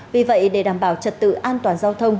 vì vậy để đảm bảo trật tự an toàn giao thông